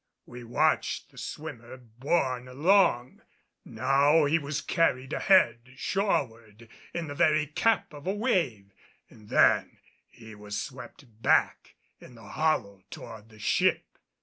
We watched the swimmer borne along; now he was carried ahead shoreward in the very cap of a wave, and then he was swept back in the hollow toward the ship.